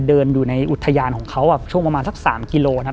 เดินอยู่ในอุทยานของเขาช่วงประมาณสัก๓กิโลนะครับ